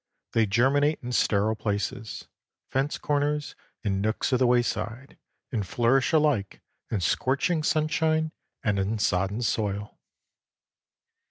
They germinate in sterile places, fence corners and nooks of the wayside, and flourish alike in scorching sunshine and in sodden soil.